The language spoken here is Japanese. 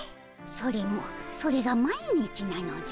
それもそれが毎日なのじゃ。